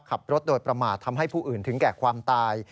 ขับรถโดยประมาททำให้ผู้อื่นถึงแก่ความตาย